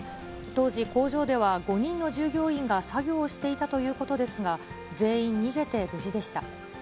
当時、工場では５人の従業員が作業をしていたということですが、全員逃げて無事でした。